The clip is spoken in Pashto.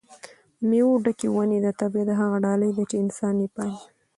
د مېوو ډکې ونې د طبیعت هغه ډالۍ ده چې انسان یې پالي.